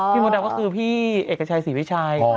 พี่โมดรามก็คือพี่เอกชายศรีพี่ชาย